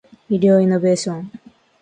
医療イノベーション